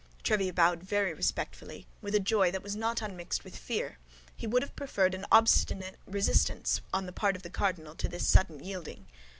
Tréville bowed very respectfully, with a joy that was not unmixed with fear; he would have preferred an obstinate resistance on the part of the cardinal to this sudden yielding.